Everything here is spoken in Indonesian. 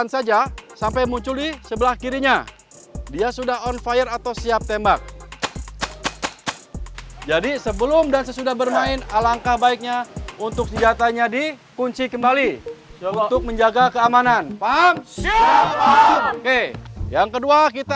baiknya untuk senjatanya di kunci kembali untuk menjaga keamanan paham siapa oke yang kedua kita